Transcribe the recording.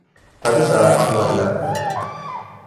അത് സാധ്യമല്ല